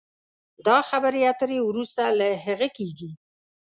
دا خبرې اترې وروسته له هغه کېږي